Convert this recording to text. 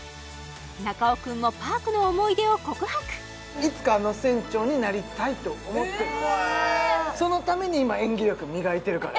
中尾君もパークの思い出を告白いつかあの船長になりたいと思ってるそのために今演技力磨いてるから